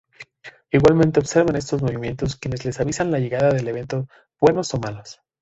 Igualmente observan estos movimientos quienes les avisan la llegada de eventos buenos o malos.